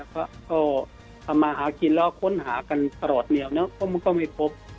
เขามาหากินแล้วค้นหากันตลอดเหนียวก็ไม่พบ